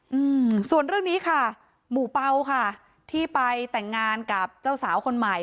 อืมส่วนเรื่องนี้ค่ะหมู่เป่าค่ะที่ไปแต่งงานกับเจ้าสาวคนใหม่